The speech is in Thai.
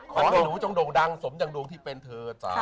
ขอให้หนูดวงดังสมอย่างดวงที่เป็นเธอ